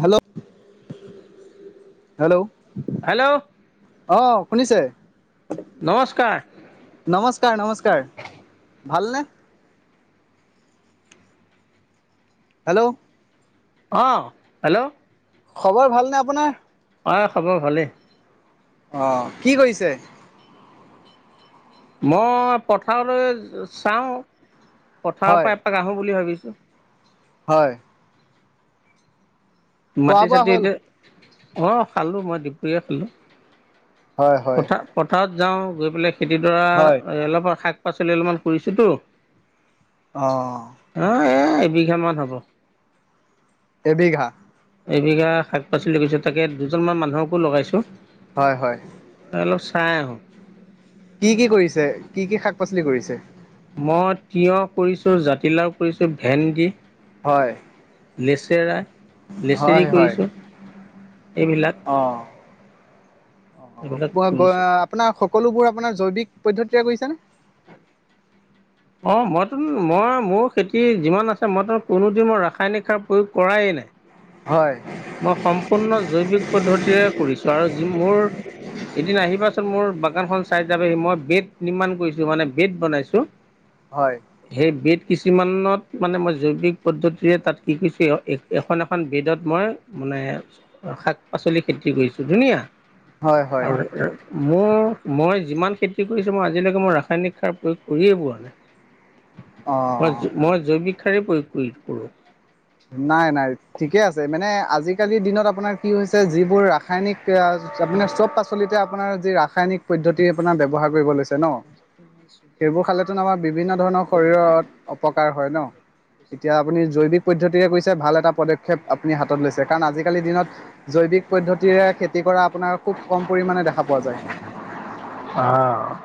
Hello hello hello অ' শুনিছে? নমস্কাৰ। নমস্কাৰ নমস্কাৰ। ভালনে? হেল্ল' অ', হেল্ল' খবৰ ভালনে আপোনাৰ? অ' খবৰ ভালেই। অ', কি কৰিছে? মই পথাৰলৈ চাও, পথাৰৰ হয় পৰা এপাক আহো বুলি ভাবিছো। [inaudible] হয়। খোৱা বোৱা মাটি-চাতি হ'ল এতিয়া, অ' খালো, মই দুপৰীয়াই খালো। হয় হয় পথা, পথাৰত যাওঁ, গৈ পেলাই খেতিডৰা হয় এ অলপ শাক পাচলি অলপমান কৰিছোঁতো অ'। এবিঘা মান হ'ব। এবিঘা এবিঘা শাক-পাচলি কইছো, তাকে দুজনমান মানুহকো লগাইছোঁ হয় হয়। অলপ চাই আহো। কি কি কৰিছে? কি কি শাক-পাচলি কৰিছে? মই তিয়ঁহ কৰিছোঁ জাতিলাও কৰিছোঁ ভেণ্ন্দি হয় নেচেৰা হয় নেচেৰি হয় কৰিছোঁ এইবিলাক অ এইবিলাক অ কৰিছোঁ। আপোনাৰ সকলোবোৰ আপোনাৰ জৈৱিক পদ্ধতিৰে কৰিছে নে অ মইতো মই মোৰ খেতি যিমান আছে মই ত কোনোদিিন মই ৰাসায়নিক সাৰ প্ৰয়োগ কৰাে নাই হয় মই সম্পূৰ্ণ জৈৱিক পদ্ধতিৰে কৰিছো আৰু যি মোৰ এদিন আহিবাচোন মোৰাক দোকানখন চাই যাবহি মই বেড নিৰ্মাণ কৰিছো মানে বেড বনাইছো হয় সেই বেড কিছুমানত মানে মই জৈৱিক পদ্ধতিৰে তাত কি কৰিছোঁ এখন এখন বেদত মই মানে শাক পাচলি খেতি কৰিছোঁ ধুনীয়া হয় হয় আৰু মোৰ মই যিমান খেতি কৰিছোঁ মই আজিলৈকে মই ৰাসায়নিক সাৰ প্ৰয়োগ কৰিয়েই পোৱা নাই অ মই জৈৱিক সাৰেই প্ৰয়োগ কৰি কৰোঁ নাই নাই ঠিকে আছে মানে আজিকালিৰ দিনত আপোনাৰ কি হৈছে যিবোৰ ৰাসায়নিক আপোনাৰ চব পাচলিতে আপোনাৰ যি ৰাসায়নিক পদ্ধতি আপোনাৰ ব্যৱহাৰ কৰিব লৈছে ন সেইবোৰ [unintelligible] খালেতো আমাৰ বিভিন্ন ধৰণৰ শৰীৰত অপকাৰ হয় ন এতিয়া আপোনাৰ জৈৱিক পদ্ধতিৰে কৰিছে ভাল এটা পদক্ষেপ আপুনি হাতত লৈছে কাৰণ আজিকালিৰ দিনত জৈৱিক পদ্ধতিৰে খেতি কৰা আপোনাৰ খুব কম পৰিমাণে দেখা পোৱা যায় অহ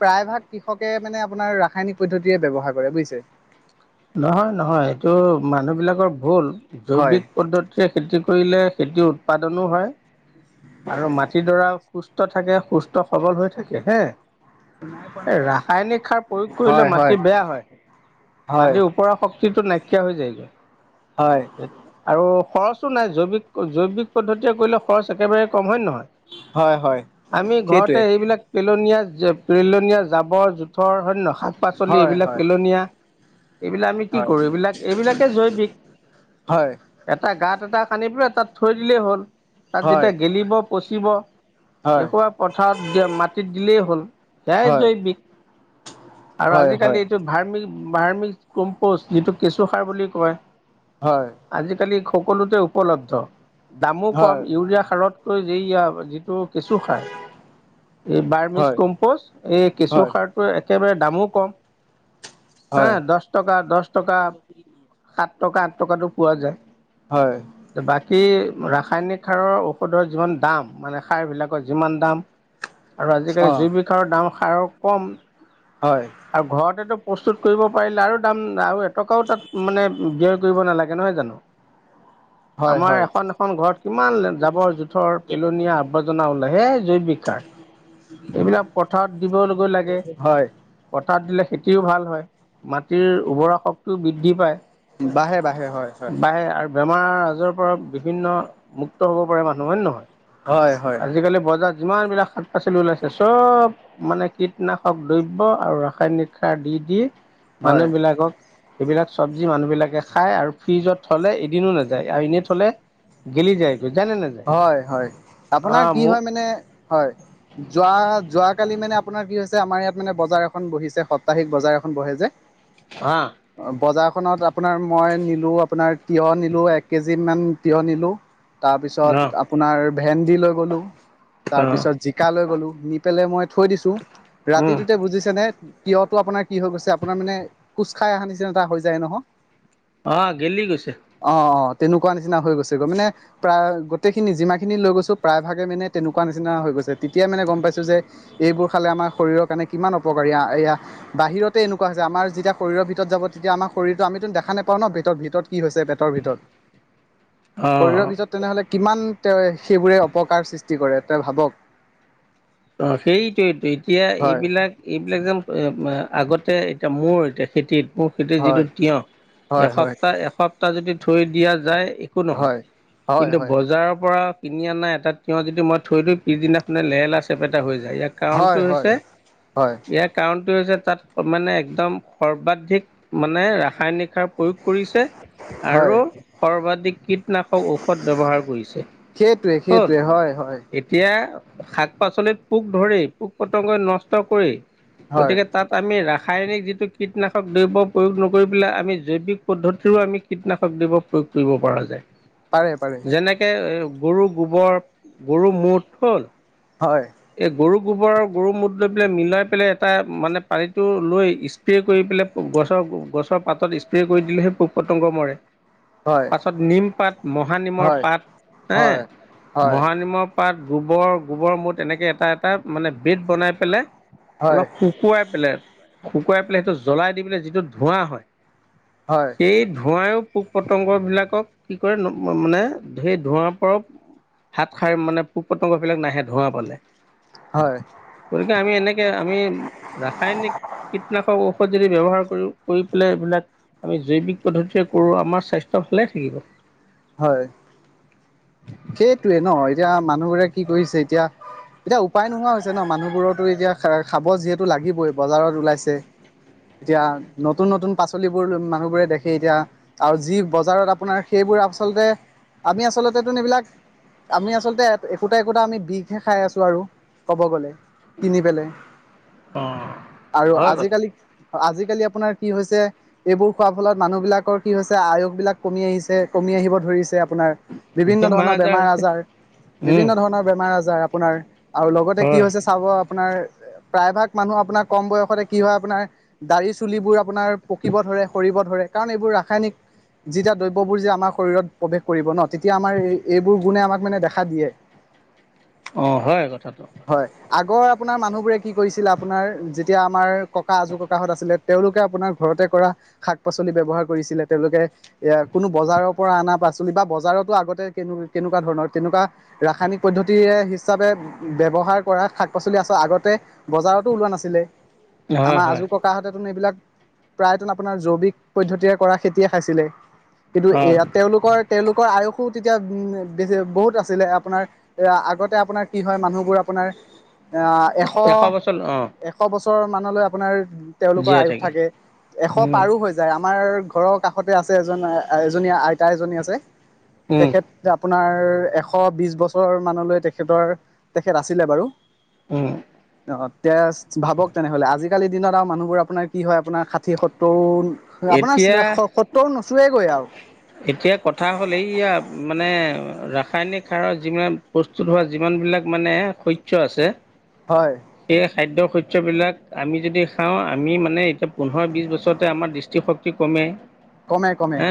প্ৰায় ভাগ কৃষকে মানে আপোনাৰ ৰাসায়নিক পদ্ধতিযৰে ব্যৱহাৰ কৰে বুজিছে নহয় নহয় এইটো মানুহ বিলাকৰ ভুল হয় জৈৱিক পদ্ধতিৰে খেতি কৰিলে খেতি উৎপাদনো হয় আৰু মাটিডৰা সুস্থ থাকে সুস্থ সবল হৈ থাকে হে ৰাসায়নিক সাৰ প্ৰয়োগ কৰিলে হয় হয় মাটি বেয়া হয় হয় মাটিৰ ওপৰা শক্তিটো নাইকিয়া হৈ যায় হয় আৰু খৰচো নাই জৈৱিক জৈৱিক পদ্ধতিয়ে কৰিলে খৰচ একেবাৰে কম হয় নহয় হয় হয় আমি সেইটোৱে ঘৰতে এইবিলাক পেলনীয়া যে পেলনীয়া জাবৰ জোথৰ হয় নে নহয় শাক পাচলি হয় এইবিলাক হয় পেলনীয়া এইবিলাক আমি কি হয় কৰো এইবিলাক এইবিলাকে জৈৱিক হয় এটা গাত তাত এটা কান্দি পেল তাত থৈ দিলেই হ'ল তাত হয় যেতিয়া গেলিব পচিব হয় এসোপা পথাৰত দিয় মাটিত দিলেই হ'ল সেয়াই হয় জৈৱিক আৰু হয় আজিকালি হয় এইটো ধাৰ্মিক বাৰ্মি কম্পষ্ট যিটো কেঁচুসাৰ বুলি কয় হয় আজিকালি সকলোতে উপলব্ধ দামো কম হয় ইউৰিয়া সাৰতকৈ কেঁচু সাৰ এই বাৰ্মিচ হয় কম্পজ এই কেঁচু সাৰটো একেবাৰে দামো কম হা দহ টকা দহ টকা সাত টকা আঠ টকাতটো পোৱা যায় হয় হয় হয় বাকী ৰাসায়নিক সাৰৰ ঔষধৰ যিমান দাম মানে সাৰ বিলাকৰ যিমান দাম আৰু অ আজিকালি জৈৱিক সাৰৰ দাম সাৰ কম হয় আৰু ঘৰতেতো প্ৰস্তুত কৰিব পাৰিলে আৰু দাম আৰু এটকাও তাত মানে ব্যয় কৰিব নালাগে নহয় জানো [unintelligible] আমাৰ এখন এখন ঘৰত কিমান জাবৰ জোথৰ পেলনীয়া আৱৰ্জনা ওলাই সে জৈৱিকাৰ এইবিলাক পথাৰত দিব লাগে হয় পথাৰত দিলে খেতিও ভাল হয় মাটিৰ উৰ্বৰা শক্তিও বৃদ্ধি পায় বাঢ়ে বাঢ়ে হয় হয় বায়ে আৰু বেমাৰ আজৰ পৰা বিভিন্ন মুক্ত হ'ব পাৰে মানুহ হয় নহয় হয় হয় আজিকালি বজা যিমান বিলাক শাক পাচলি ওলাইছে চব মানে কীটনাশক দ্ৰব্য আৰু ৰাসায়নিক সাৰ দি দি মানুহ হয় বিলাকক সেইবিলাক চবজি মানুহ বিলাকে খাই আৰু ফিজত থলে এদিনো নাযায় আৰু এনেই থলে গেলি যায় নে নাযায় হয় হয় অ আপোনাৰ কি মোক হয় মানে হয় যোৱা যোৱ কালি মানে আপোনাৰ কি হৈছে আমাৰ ইয়াত মানে বজাৰ এখন বহিছে সপ্তাহিক বজাৰ এখন বহে যে হা বজাৰখনত আপোনাৰ মই নি নিলো আপোনাৰ তিয়হ নিলো এক কেজি মান তিয় নিলো তাৰপিছত অ আপোনাৰ ভেন্দি লৈ গ'লো তাৰ অ পিছত জিকা লৈ গলো নি পেলাই মই থৈ দিছো উম ৰাতিটোতে বুজিছে নে কিয়তো আপোনাৰ কি হৈ গৈছে আপোনাৰ মানে কোচ খাই অহা নিচিনা এটা হৈ যায় নহয় আহ গেলি গৈছে অ অ তেনেকুৱা নিচিনা হৈ গৈছেগৈ মানে প্ৰায় গোটেইখিনি যিমানখিনি লৈ গৈছো প্ৰায়ভাগে মানে তেনেকুৱা নিচিনা হৈ গছে তেতিয়াই মানে গম পাইছো যে এইবোৰ খালে আমাৰ শৰীৰৰ কাৰণে কিমান অপকাৰী এয়া বাহিৰতে এনেকুৱা হৈছে আমাৰ যেতিয়া শৰীৰৰ ভিতৰত যাব তেতিয়া আমাৰ শৰীৰত আম দেখা নোপাও ন ভ ভিতৰত কি হৈছে পেটৰ ভিতৰত অ শৰীৰ ভিতৰত তেনেহলে তেওঁ সেইবোৰে অপকাৰ সৃষ্টি কৰে তেওঁ ভাবক অঁ সেইটোয়েইো এতিয়া হয় এইবিলাক এ আগতে এতিয়া মোৰ এতিয়া খেতিত মোৰ খেতিৰ যিটো হয় তিয়হ হয় হয় এসপ্তাহ এসপ্তাহ যদি থৈ দিয়া যায় একো নহয় হয় হয় কিন্তু হয় বজাৰৰ পৰা কিনি অনা এটা তিঁয়হ যদি মই থৈ দিওঁ পিছদিনাখনে লেৰে লি যায় ইয়াৰ কাৰণটো হয় হয় হৈছে হয় ইয়াৰ কাৰণ তাত মানে একদম সৰ্বাধিক মানে ৰাসায়নিক সাৰ প্ৰয়োগ কৰিছে হয় আৰু সৰ্বাধিক কীটনাশক ঔষধ ব্যৱহাৰ কৰিছে সেইটোৱে ক'ত সেইটোৱে হয় হয় এতিয়া শাক পাচলিত পোক ধৰি পোক পতংগই নষ্ট কৰি হয় গতিকে তাত আমি ৰাস শায়নক যিটো কীটনাশক দ্ৰব্য প্ৰয়োগ নকৰি পেলাই আমি জৈৱিক পদ্ধতিৰো আমি কীটনাশক দ্ৰৱ প্ৰয়োগ কৰিব পৰা যায় পাৰে পাৰে যেনেকে গৰু গোবৰ গৰু মুঠ হ'ল হয়। এই গৰু গোবৰ আৰু গৰু মুত লৈ পেলাই মিলাই পেলাই এটা মানে পানীটো লৈ স্প্ৰে কৰি পেলাই গছৰ গছৰ পাতত স্প্ৰে কৰি দিলে সেই পোক পতংগ মৰে হয় পাছত নিম পাত মহানিমৰ হয় পাত হেঁ হয় হয় মহানিমৰ পাত গোবৰ গোবৰ মুত এনেকৈ এটা এটা মানে বেদ বনাই পেলাই হয় অলপ শুকুৱাই পেলাই শুকুৱাই পেলাই সেইটো জ্বলাই দি পেলাই যিটো ধোঁৱা হয় হয় সেই ধোঁৱাইয়ো পোক পতংগ বিলাকক কি কৰে মানে সেই ধোঁৱাৰ পৰা হাত খাৰে মানে পোক পতংগ‌ বিলাক নাহে ধোঁৱা পালে হয় গতিকে আমি এনেকে আমি ৰাসায়নিক কীটনাশক ঔষধ যদি ব্যৱহাৰ কৰি কৰি পেলাই এইবিলাক আমি জৈৱিক পদ্ধতিৰে কৰো আমাৰ স্বাস্থ্য‌‌ ভালে থাকিব হয় সেইটোৱে নঁ এতিয়া মানুহবোৰে কি কৰিছে এতিয়া এতিয়া উপায় নোহোৱা হৈছে ন মানুহবোৰতো এতিয়া খাব যিহেতু লাগিবই বজাৰত ওলাইছে এতিয়া নতুন নতুন পাচলিবোৰ মানুহবোৰে দেখি এতিয়া আৰু যি বজাৰত আপোনাৰ সেই বোৰ আচলতে আমি আচলতে এইবিলাক আমি আচলতে একোটা একোটা আমি বিষ হে খাই আছো আৰু কব গ'লে কিনি পেলাই আৰু হয় কথাটো আজিকালি আজিকালি আপোনাৰ কি হৈছে এইবোৰ খোৱাৰ ফলত মানুহ বিলাকৰ কি হৈছে আয়ুস বিলাক কমি আহিছে কমি আহিব ধৰিছে আপোনাৰ বিভিন্ন ধৰণৰ বেমাৰ আজাৰ উম বিভিন্ন ধৰণৰ বেমাৰ আজাৰ আপোনাৰ আৰু লগতে কি হয় হৈছে চাব আপোনাৰ প্ৰায় ভাগ মানুহ আপোনাৰ কম বয়সতে কি হয় আপোনাৰ দাৰি চুলিবোৰ আপোনাৰ পকিব ধৰে সৰি সৰিব ধৰে কাৰণ এইবোৰ ৰাসায়নিক যিবিলাক দ্ৰব্যবোৰ যে আমাৰ শৰীৰৰত প্ৰৱেশ কৰিব ন' তেতিয়া আমাৰ এইবোৰ গুণে আমাক মানে দেখা দিয়ে অঁ হয় কথাটো হয় আগৰ আপোনাৰ মানুহবোৰে কি কৰিছিলে আপোনাৰ যেতিয়া আমাৰ ককা আজু ককাহঁত আছিলে তেওঁলোকে আপোনাৰ ঘৰ তে কৰা শাক পাচলি ব্যৱহাৰ কৰিছিলে তেওঁলোকে এ কোনো বজাৰৰ পৰা অনা পাচলি বা বজাৰতো আগতে কেনেকুৱা ধৰণৰ তেনেকুৱা ৰাসায়নিক পদ্ধতি হিচাপে ব্যৱহাৰ কৰাত শাক পাচলি আচল আগতে বজাৰতো ওলোৱা নাছিলে হয় আমাৰ আজো হয় ককাহঁতেতো এইবিলাক প্ৰায় আপোনাৰ জৈৱিক পদ্ধতিৰে কৰা খেতিয়ে খাইছিলে কিন্তু অঁ এয়া তেওঁলোকৰ তেওঁলোকৰ আয়ুস তেতিয়া উম বেছি বহুত আছিলে আপোনাৰ এ আগতে আপোনাৰ কি হয় মানুহবোৰ আপোনাৰ অঁ এশ বছৰ অঁ এশ বছৰ মানলৈ আপোনাৰ তেওঁলোকৰ আয়ুস থাকে এশ উম পাৰো হৈ যায় আমাৰ ঘৰৰ কাষতে আছে এজন এজনী আইতা এজনী আছে উম তেখেত আপোনাৰ এশ বিছ বছৰ মানলৈ তেখেতৰ তেখেত আছিলে বাৰু অ অ তে ভাবক তেনেহ'লে আজিকালিৰ দিনত আৰু মানুহবোৰ আপোনাৰ কি হয় আপোনাৰ ষাঠি সত্তৰ এতিয়া আপোনাৰ সত্তৰ নোচোৱে গৈ আৰু এতিয়া কথা হ'ল এইয়া মানে ৰাসায়নিক সাৰত যিমান প্ৰস্তুত হোৱা যিমান বিলাক মানে শস্য আছে হয় সেই খাদ্য শস্যবিলাক আমি যদি খাওঁ আমি মানে এতিয়া পোন্ধৰ বিছ বছৰতে আমাৰ সৃষ্টি শক্তি কমে কমে কমে হ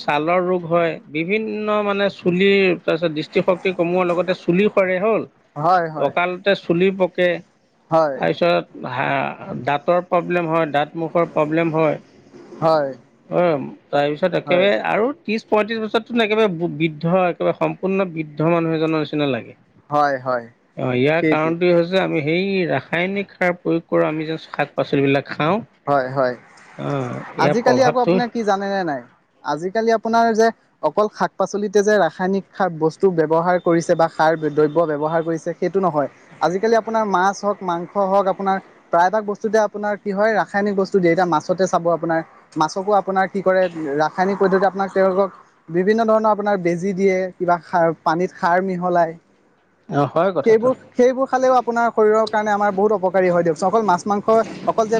ছালৰ ৰোগ হয় বিভিন্ন মানে চুলিৰ তাৰপিছত দৃষ্টিশক্তি কমোৱাৰ লগতে চুলি সৰে হ'ল হয় হয় অকালতে চুলি পকে হয় তাৰপিছত হ দাঁতৰ প্ৰব্লেম হয় দাঁত মুখৰ প্ৰব্লেম হয় হয় অ', তাৰপিছত হয় একেবাৰে আৰু ত্ৰিছ পঁয়ত্ৰিছ বছৰতোন একেব বৃদ্ধ একোৰে সম্পূৰ্ণ বৃদ্ধ মানুহ এজনৰ নিচিনা লাগে হয় হয় অ ইয়াৰ সেইটোৱে কাৰণটোে হৈছে আমি সেই ৰাসায়নিক সাৰ প্ৰয়োগ কৰো আমি যেন শাক পাচলিবিলাক খাওঁ হয় হয় অঁ ইয়াৰ আজিকালি আকৌ প্ৰভাৱটো আপোনাৰ কি জানেনে নাই আজিকালি আপোনাৰ যে অকল শাক পাচলিতে যে ৰাসায়নিক সাৰ বস্তু ব্যৱহাৰ কৰিছে বা সাৰ দ্ৰব্য ব্যৱহাৰ কৰিছে সেইটো নহয় আজিকালি আপোনাৰ মাছ হওক মাংস হওক আপোনাৰ প্ৰায়ভাগ বস্তুতে আপোনাৰ কি হয় ৰা ৰাসায়নিক বস্তু দিয় এতিয়া মাছতে চাব আপোনাৰ মাছকো আপোনাৰ কি কৰে ৰাসায়নিক পদ্ধতি আপোনাক তেওঁলোকক বিভিন্ন ধৰণৰ আপোনাৰ বেজি দিয়ে কিবা সাৰ পানীত সাৰ মিহলাই অ হয় কথাটো সেইবোৰ সেইবোৰ খালেও আপোনাৰ শৰীৰৰ কাৰণে আমাৰ বহুত অপকাৰী হয় দেচোন অকল মাছ মাংস অকল যে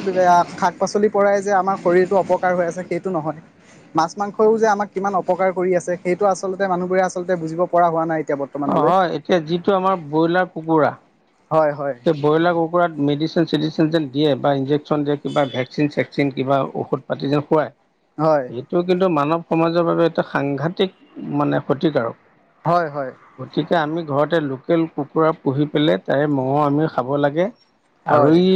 শাক পাচলি পৰাই যে আমাৰ শৰীৰতটো অপকাৰ হৈ আছে সেইটো নহয় মাছ মাংসও যে আমাক কিমান অপকাৰ কৰি আছে আছে সেইটো আচলতে মানুহবোৰে আচলতে বুজিব পৰা হোৱা নাই এতিয়া অ বৰ্তমানলৈ। হয় এতিয়া যিটো আমাৰ ব্ৰইলাৰ কুকুৰা হয় হয় সেই ব্ৰইলাৰ কুকুৰাত মেডিচিন চেডিচিন যেনিয়ে বা ইঞ্জেকশ্যন দিয়ে কিবা ভেকচিন চেকচিন কিবা ঔষধ পাতি যেন খুৱায় হয় এইটো কিন্তু মানৱ সমাজৰ বাবে এটা সাংঘাতিক মানে ক্ষতিকাৰক হয় হয় গতিকে আমি ঘৰতে লোকেল কুকুৰা পুহি পেলাই তাৰে ম আমি খাব লাগে আৰু হয় ই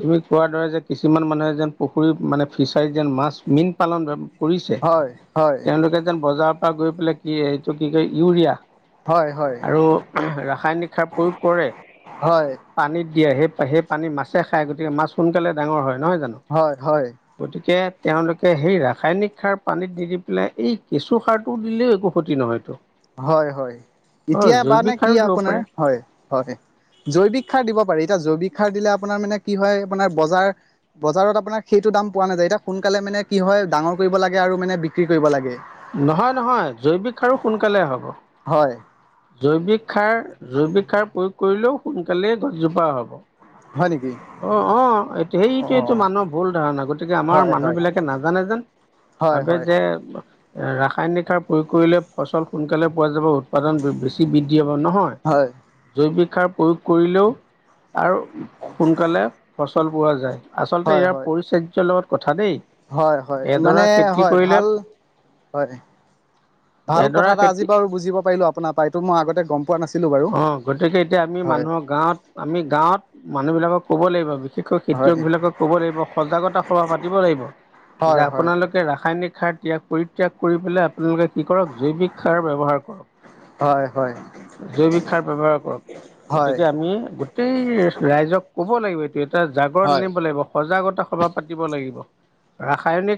তুমি কোৱাৰ দৰে যে কিছুমান মানুহে যেন পুখুৰী মানে ফিচাৰীত যেন মাছ মীন পালন কৰিছে হয় হয় তেওঁলোকে যেন বজাৰৰ পৰা গৈ পেলাই কি এইটো কি কয় ইউৰিয়া হয় হয় আৰু ৰাসায়নিক সাৰ প্ৰয়োগ কৰে হয় পানীত দিয়ে সেই সেই পানী মাছে খায় গতিকে মাছ সোনকালে ডাঙৰ হয় নহয় জানো হয় হয় গতিকে তেওঁলোকে সেই ৰাসায়নিক সাৰ পানীত নি দি পেলাই এই কেঁচু সাৰটো দিলেও একো ক্ষতি নহয়তো হয় হয় হয় এতিয়া বানে জৈৱিক কি সাৰো দিব আপোনাৰ পাৰে হয় হয় জৈৱিক সাৰ দিব পাৰি এতিয়া জৈৱিক সাৰ দিলে আপোনাৰ মানে কি হয় আপোনাৰ বজাৰ বজাৰত আপোনাৰ সেইটো দাম পোৱা নাযায় এতিয়া সোনকালে মানে কি হয় ডাঙৰ কৰিব লাগে আৰু মানে বিক্ৰী কৰিব লাগে নহয় নহয় জৈৱিক সাৰ সোনকালে হ'ব হয় [inaudible] জৈৱিক সাৰ জৈৱিক সাৰ প্ৰয়োগ কৰিলেও সোনকালেই গছজোপা হ'ব হয় নেকি অ অ এইটো অ সেইটো এইটো মানুহৰ ভুল ধাৰণা গতিকে আমাৰ হয় মানুহ হয় বিলাকে নাজানে যেন হয় ভাবে হয় যে ৰাসায়নিক সাৰ প্ৰয়োগ কৰিলে ফচল সোনকালে পোৱা যাব উৎপাদন বেছি বৃদ্ধি হ'ব নহয় হয় জৈৱিক শিক্ষাৰ প্ৰয়োগ কৰিলেও আৰু সোনকালে ফচল পোৱা যায় আচলতে হয় ইয়াৰ হয় পৰিচাৰ্যয়ৰ লগত কথা দেই হয় হয় এডোৰা মানে খেতি হয় কৰিলে ভাল [inaudible] হয় ভাল কথা এডৰা এটা খেতি আজি বাৰু বুজিব পাৰিলো আপোনাৰ পৰা এইটো মই আগতে গম পোৱা নাছিলো বাৰু অ গতিকে এতিয়া আমি হয় মানুহক গাঁৱত আমি গাঁৱত মানুহ বিলাকক ক'ব লাগিব শিক্ষক খেতিয়ক হয় বিলাকক ক'ব লাগিব সজাগতা সভা পাতিব লাগিব যে হয় হয় আপোনালোকে ৰাসায়নিক ত্যাগ কৰি ত্যাগ কৰি পেলাই আপোনালোকে কি কৰক জৈৱিক সাৰ ব্যৱহাৰ কৰক হয় হয় [inaudible] জৈৱিক সাৰ ব্যৱহাৰ কৰক হয় গতিকে আমি গোটেই ৰাইজক কব লাগিব এটা জাগৰণ হয় আনিব লাগিব সজাগতা সভা পাতিব লাগিব ৰাসায়নিক